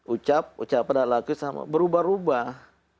ucap ucap dan laku sama berubah ubah